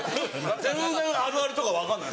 全然あるあるとか分かんない。